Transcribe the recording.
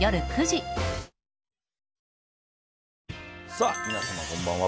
さあ皆様こんばんは。